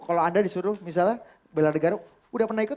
kalau anda disuruh misalnya bela negara udah pernah ikut